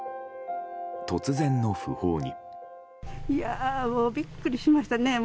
突然の訃報に。